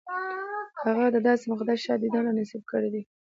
هغه د داسې مقدس ښار دیدن را نصیب کړی دی.